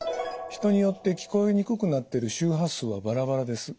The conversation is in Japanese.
人によって聞こえにくくなってる周波数はバラバラです。